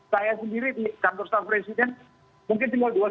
saya sendiri di kantor stafresiden mungkin tinggal dua lima tahun lagi